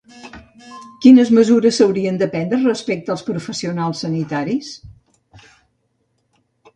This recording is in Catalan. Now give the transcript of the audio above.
Quines mesures s'haurien de prendre respecte als professionals sanitaris?